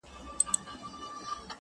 دېو که شیطان یې خو ښکرور یې!!